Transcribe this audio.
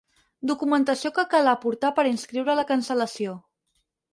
Documentació que cal aportar per inscriure la cancel·lació.